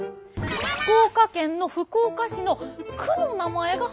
福岡県の福岡市の区の名前が博多なんです。